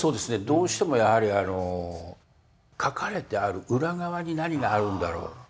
どうしてもやはりあの書かれてある裏側に何があるんだろう？